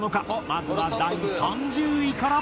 まずは第３０位から。